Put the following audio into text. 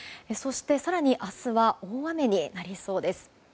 そして、更に明日は大雨になりそうです。